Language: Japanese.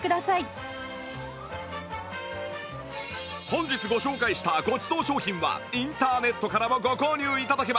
本日ご紹介したごちそう商品はインターネットからもご購入頂けます